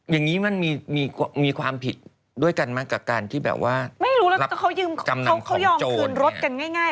อย่างนี้มันมีความผิดด้วยกันมากกับการที่แบบว่ารับจำนำของโจน